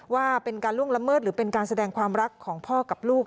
ว่าเป็นการล่วงละเมิดหรือเป็นการแสดงความรักของพ่อกับลูก